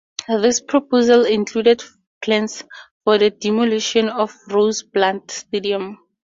This proposal included plans for the demolition of Rosenblatt Stadium.